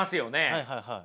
はいはいはい。